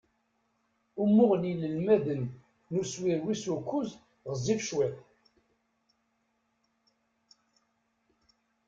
Umuɣ n yinelmaden n uswir wis ukkuẓ ɣezzif cwiṭ.